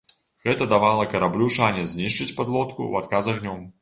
Гэта давала караблю шанец знішчыць падлодку у адказ агнём.